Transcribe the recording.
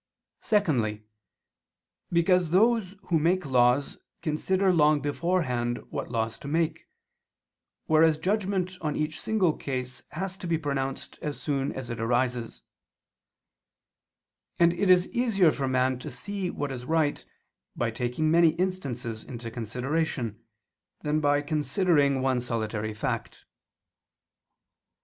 Secondly, because those who make laws consider long beforehand what laws to make; whereas judgment on each single case has to be pronounced as soon as it arises: and it is easier for man to see what is right, by taking many instances into consideration, than by considering one solitary fact.